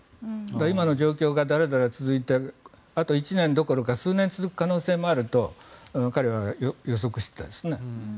今の状況がだらだら続いてあと１年どころか数年続く可能性もあると彼は予測していたんです。